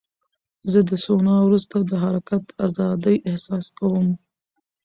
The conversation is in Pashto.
زه د سونا وروسته د حرکت ازادۍ احساس کوم.